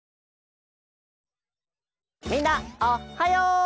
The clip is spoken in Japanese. みんなおっはよう！